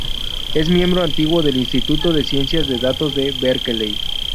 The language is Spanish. Es miembro antiguo del Instituto de Ciencia de Datos de Berkeley.